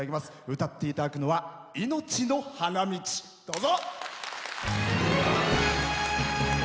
歌っていただくのは「命の花道」、どうぞ。